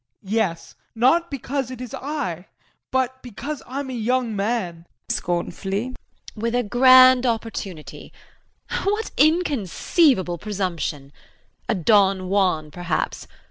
JEAN. Yes, not because it is I, but because I'm a young man JULIE [Scornfully]. With a grand opportunity what inconceivable presumption! A Don Juan perhaps!